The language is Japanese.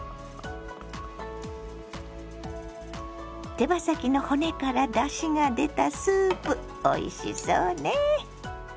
手羽先の骨からだしが出たスープおいしそうね。